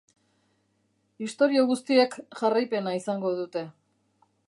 Istorio guztiek jarraipena izango dute.